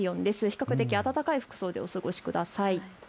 比較的暖かい服装でお過ごしください。